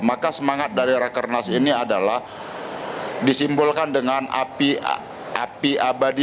maka semangat dari rakernas ini adalah disimbolkan dengan api abadi